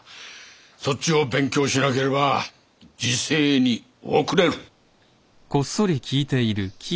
そっちを勉強しなければ時勢に後れる。